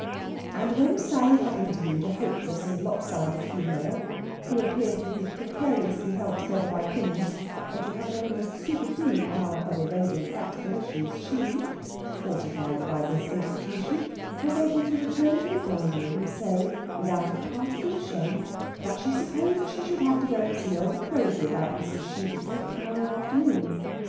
And when Sally had interviewed a hopeless and lopsided female, who appeared to be precariously held together by pins, and to have an almost superhuman power of evading practical issues, she (fortified by this institution) was able to return to the drawing room and say, without a particle of shame, that she supposed she should have to go and see Old Prosy about Mrs. Shoosmith to morrow afternoon.